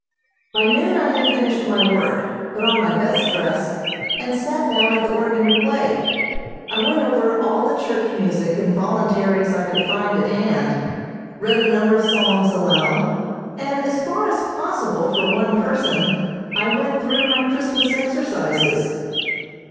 By noon I had finished my work, put on my best dress, and sat down at the organ to play. I went over all the church music and voluntaries I could find at hand, read a number of psalms aloud, and as far as possible for one person I went through my Christmas exercises.